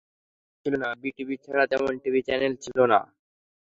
তখন ইন্টারনেট ছিল না, বিটিভি ছাড়া তেমন টিভি চ্যানেল ছিল না।